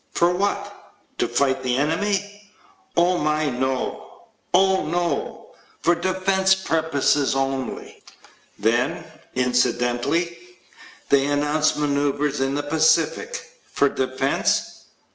For what? To fight the enemy? Oh my, no. Oh, no. For defense purposes only. Then, incidentally, they announce maneuvers in the Pacific. For defense.